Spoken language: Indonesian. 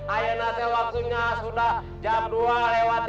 ayo nanti waktunya sudah jam dua lewat tiga puluh